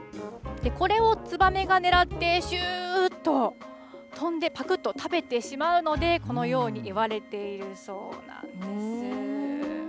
これをツバメが狙って、しゅーっと飛んで、ぱくっと食べてしまうので、このようにいわれているそうなんです。